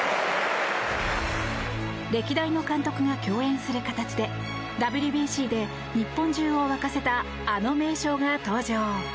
歴代の監督が共演する形でＷＢＣで日本中を沸かせたあの名将が登場。